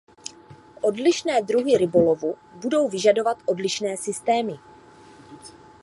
Odlišné druhy rybolovu budou vyžadovat odlišné systémy.